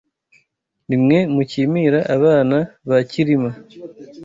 Ni mwe mucyimira Abana ba Cyilima